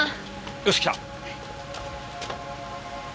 よしきた！